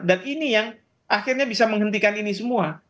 dan ini yang akhirnya bisa menghentikan ini semua